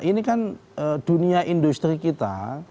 ini kan dunia industri kita